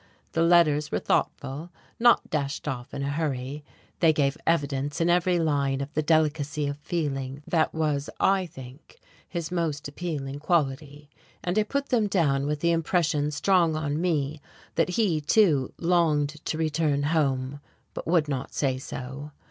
The letters were thoughtful not dashed off in a hurry; they gave evidence in every line of the delicacy of feeling that was, I think, his most appealing quality, and I put them down with the impression strong on me that he, too, longed to return home, but would not say so.